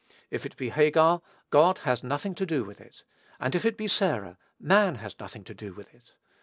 If it be Hagar, God has nothing to do with it; and if it be Sarah, man has nothing to do with it.